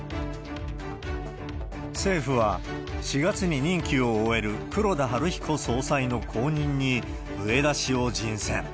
政府は、４月に任期を終える黒田東彦総裁の後任に、植田氏を人選。